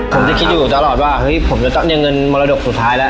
ผมจะคิดอยู่ตลอดว่าผมจะต้องเงินมรดกสุดท้ายนะ